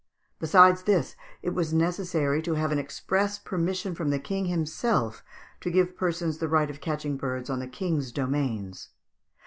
Besides this, it was necessary to have an express permission from the King himself to give persons the right of catching birds on the King's domains.